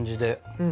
うん。